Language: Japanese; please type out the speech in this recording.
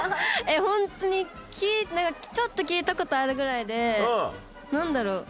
ホントにちょっと聞いた事あるぐらいでなんだろう？